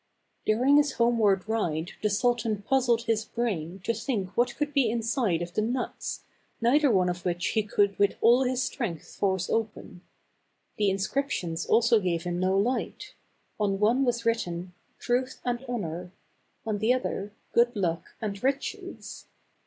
During his homeward ride the sultan puzzled his brain to think what could be inside of the nuts, neither one of which could he with all his strength force open. The inscriptions also gave him no light. On one was written, " Truth and Honor"; on the other, "Good Luck and Eiches."